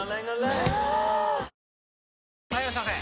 ぷはーっ・はいいらっしゃいませ！